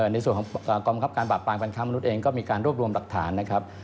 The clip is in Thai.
ในส่วนของกองบังคับการปราบปรามการค้ามนุษย์เองก็มีการรวบรวมหลักฐานนะครับ